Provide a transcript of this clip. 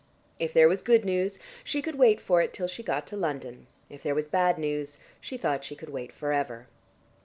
If there was good news, she could wait for it till she got to London; if there was bad news she thought she could wait for ever.